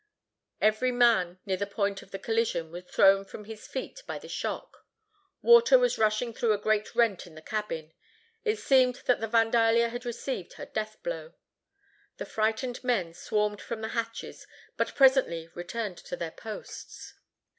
Every man near the point of the collision was thrown from his feet by the shock. Water was rushing through a great rent in the cabin. It seemed that the Vandalia had received her death blow. The frightened men swarmed from the hatches, but presently returned to their posts.